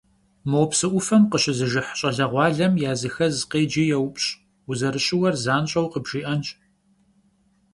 Mo psı 'ufem khışızıjjıh ş'aleğualem yazıxez khêci yêupş', vuzerışıuer zanş'eu khıbjji'enş.